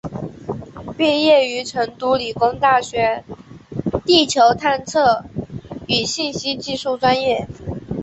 毕业于成都理工大学地球探测与信息技术专业。